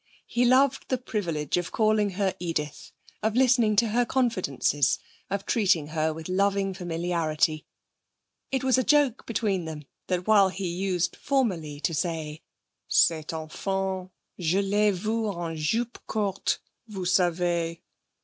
He loved the privilege of calling her Edith, of listening to her confidences, of treating her with loving familiarity. It was a joke between them that, while he used formerly to say, 'Cette enfant! Je l'ai vue en jupe courte, vous savez!'